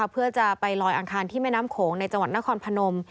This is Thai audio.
เพื่อจะไปลอยอังคารที่แม่น้ำโขงในจังหวัดนครพนม